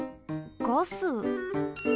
ガス？